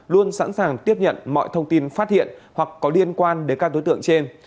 luôn sẵn sàng tiếp nhận mọi thông tin phát hiện hoặc có liên quan đến các đối tượng trên